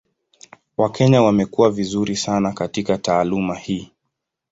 Wakenya wamekuwa vizuri sana katika taaluma hii.